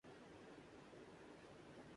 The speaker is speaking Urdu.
میں اپنی اگلی سالگرہ پر سولہ سال کی ہو جائو گی